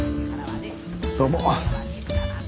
どうも。